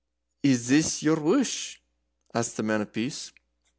] "Is this your wush?" asked the Man of Peace.